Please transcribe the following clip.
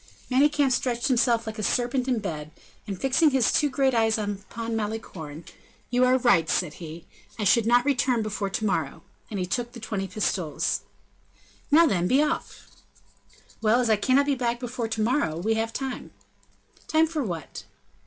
Manicamp stretched himself like a serpent in his bed, and fixing his two great eyes upon Malicorne, "You are right," said he; "I could not return before to morrow;" and he took the twenty pistoles. "Now, then, be off!" "Well, as I cannot be back before to morrow, we have time." "Time for what?"